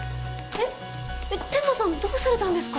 えっ天間さんどうされたんですか？